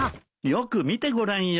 よく見てごらんよ。